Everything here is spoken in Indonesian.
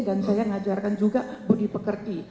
dan saya ngajarkan juga budi pekerti